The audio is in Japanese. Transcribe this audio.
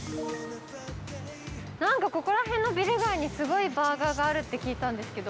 なんかここら辺のビル街に、すごいバーガーがあるって聞いたんですけど。